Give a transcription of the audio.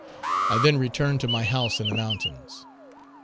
I then returned to my house in the mountains.